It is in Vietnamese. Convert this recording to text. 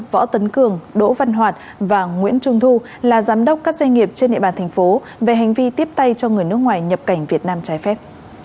võ tấn cường đỗ văn hoạt và nguyễn trung thu là giám đốc các doanh nghiệp trên địa bàn thành phố về hành vi tiếp tay cho người nước ngoài nhập cảnh việt nam trái phép